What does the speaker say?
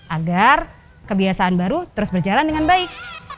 agar kebiasaan baru terus berjalan dengan baik